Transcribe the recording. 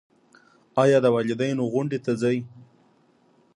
ایا د والدینو غونډې ته ځئ؟